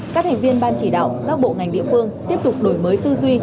các thành viên ban chỉ đạo các bộ ngành địa phương tiếp tục đổi mới tư duy